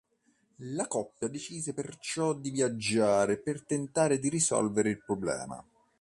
La coppia decise perciò di viaggiare, per tentare di risolvere il problema.